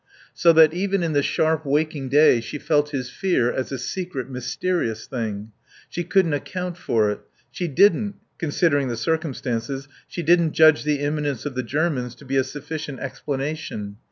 So that, even in the sharp, waking day she felt his fear as a secret, mysterious thing. She couldn't account for it. She didn't, considering the circumstances, she didn't judge the imminence of the Germans to be a sufficient explanation.